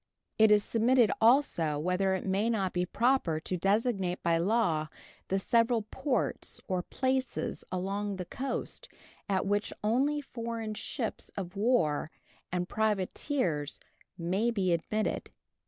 It is submitted also whether it may not be proper to designate by law the several ports or places along the coast at which only foreign ships of war and privateers may be admitted.